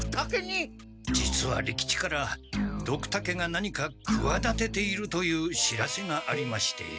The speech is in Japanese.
実は利吉からドクタケが何かくわだてているという知らせがありまして。